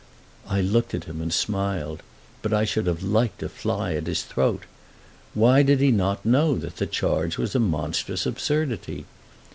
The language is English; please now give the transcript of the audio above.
I looked at him and smiled, but I should have liked to fly at his throat. Why did he not know that the charge was a monstrous absurdity?